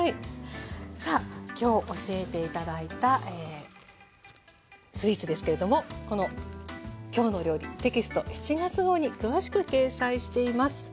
さあ今日教えて頂いたスイーツですけれどもこの「きょうの料理」テキスト７月号に詳しく掲載しています。